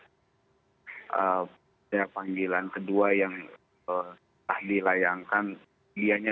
pertama panggilan kedua yang telah dilayangkan